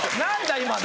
今の。